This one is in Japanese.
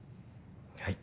はい？